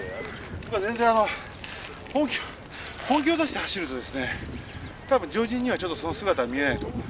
全然あの本気本気を出して走るとですね多分常人にはちょっとその姿は見えないと思う。